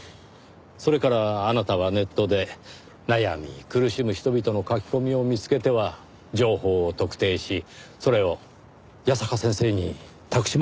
それからあなたはネットで悩み苦しむ人々の書き込みを見つけては情報を特定しそれを矢坂先生に託しました。